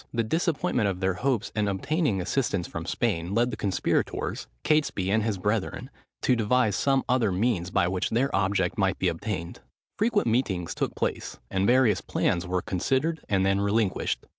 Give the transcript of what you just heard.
The disappointment of their hopes in obtaining assistance from Spain, led the conspirators, Catesby, and his brethren, to devise some other means, by which their object might be obtained. Frequent meetings took place; and various plans were considered and then relinquished.